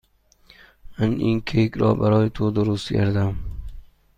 من این کیک را برای تو درست کردم.